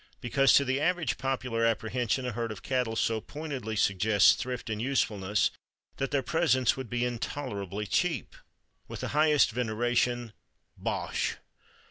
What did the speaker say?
Because "to the average popular apprehension a herd of cattle so pointedly suggests thrift and usefulness that their presence ... would be intolerably cheap." With the highest veneration, Bosh!